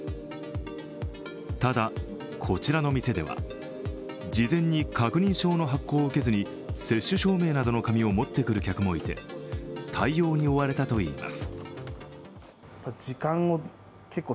ただ、こちらの店では、事前に確認証の発行を受けずに接種証明などの紙を持ってくる客もいて対応に追われたといいます。